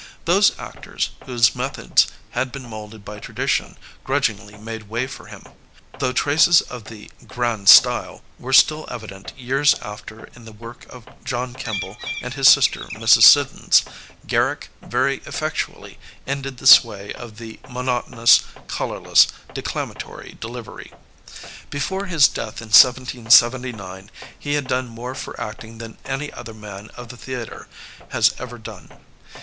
Those actors whose methods had been moulded by tradition grudgingly made way for him. Though traces of the grand style'' were still evident years after in the work of John Kemble and his sister, Mrs. Siddons, Garrick very effectually ended the sway of the monotonous, colorless, declamatory delivery. Digitized by LjOOQIC 556 TEE ACTOR IN ENGLAND Before his death in 1779 he had done more for acting than any other man of the theatre has ever done.